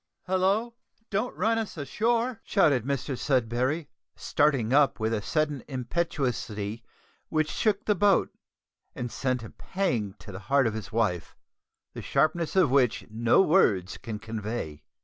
"Hallo! don't run us ashore," shouted Mr Sudberry, starting up with a sudden impetuosity which shook the boat and sent a pang to the heart of his wife, the sharpness of which no words can convey.